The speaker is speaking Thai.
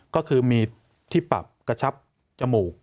ก็คือมีที่ปรับกระชับจมูก